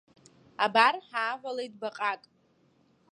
Абар ҳаавалеит баҟак.